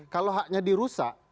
kalau haknya dirusak